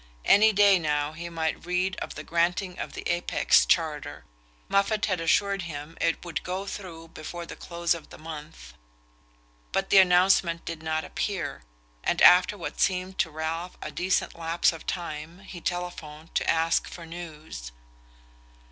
Any day now he might read of the granting of the Apex charter: Moffatt had assured him it would "go through" before the close of the month. But the announcement did not appear, and after what seemed to Ralph a decent lapse of time he telephoned to ask for news.